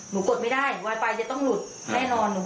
หนูบอกว่าพี่ถ้าหนูไปกดที่ตู้